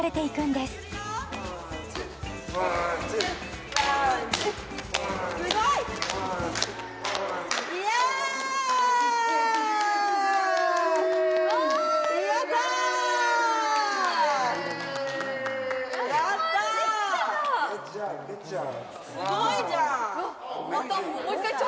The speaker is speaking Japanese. すごいじゃん！